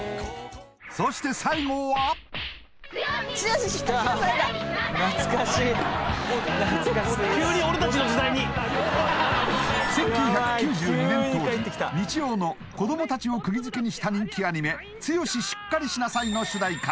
そして最後は１９９２年当時日曜の子どもたちをくきづけにした人気アニメ「ツヨシしっかりしなさい」の主題歌